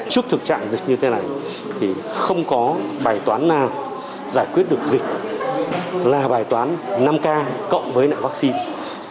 trước thực trạng dịch như thế này thì không có bài toán nào giải quyết được dịch là bài toán năm k cộng với lại vaccine